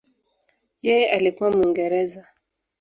Yeye alikuwa Mwingereza.